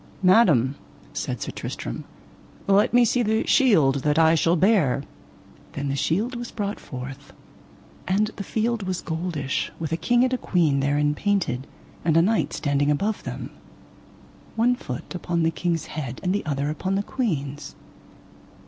Madam, said Sir Tristram, let me see the shield that I shall bear. Then the shield was brought forth, and the field was goldish, with a king and a queen therein painted, and a knight standing above them, [one foot] upon the king's head, and the other upon the queen's.